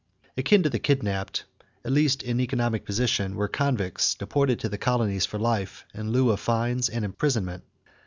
Akin to the kidnapped, at least in economic position, were convicts deported to the colonies for life in lieu of fines and imprisonment.